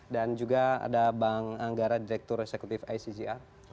dan juga ada bang anggara direktur eksekutif accr